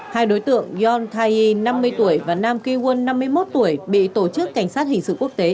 hai đối tượng yon thayi năm mươi tuổi và nam ki won năm mươi một tuổi bị tổ chức cảnh sát hình sự quốc tế